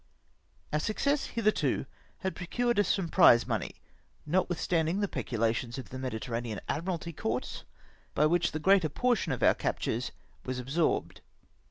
Our success hitherto had procured us some prize money, notwithstanding the peculations of the Mediterranean Adrnkalty Courts, by wliich the greater portion of our captures was absorbed.